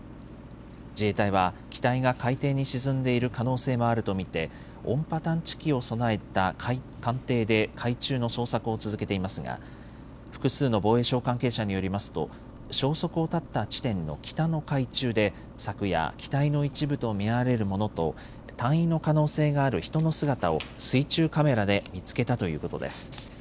自衛隊は機体が海底に沈んでいる可能性もあると見て音波探知機を備えた艦艇で海中の捜索を続けていますが複数の防衛省関係者によりますと消息を絶った地点の北の海中で昨夜、機体の一部と見られるものと隊員の可能性がある人の姿を水中カメラで見つけたということです。